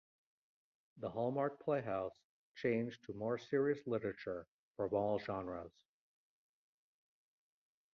"The Hallmark Playhouse" changed to more serious literature from all genres.